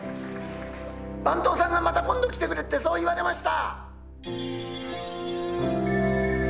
番頭さんがまた今度来てくれってそう言われました。